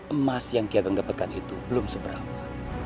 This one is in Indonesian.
emas yang ki ageng dapatkan itu belum seberapa